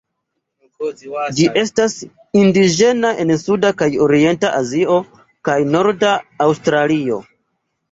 Ĝi estas indiĝena en suda kaj orienta Azio kaj norda Aŭstralio.